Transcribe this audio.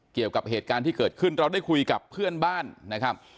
เกี่ยวกับเหตุการณ์ที่เกิดขึ้นเราได้คุยกับเพื่อนบ้านนะครับ